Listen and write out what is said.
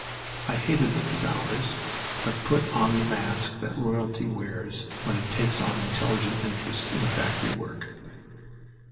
I hated those hours, but put on the mask that royalty wears when it takes an intelligent interest in factory work.